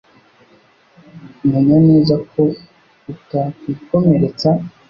Menya neza ko utakwikomeretsa